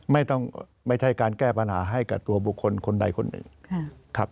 ไม่ใช่การแก้ปัญหาให้กับตัวบุคคลคนใดคนหนึ่งครับ